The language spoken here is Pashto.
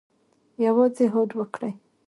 یوازې هوډ وکړئ